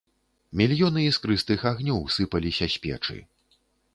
Мільёны іскрыстых агнёў сыпаліся з печы.